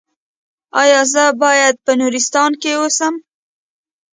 ایا زه باید په نورستان کې اوسم؟